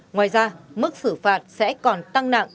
ngoài ra mức xử phạt sẽ còn tăng nặng